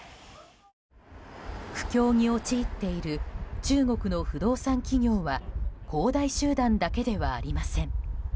苦境に陥っている中国の不動産企業は恒大集団だけではありません。